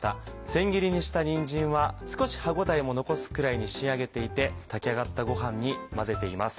千切りにしたにんじんは少し歯応えも残すくらいに仕上げていて炊き上がったごはんに混ぜています。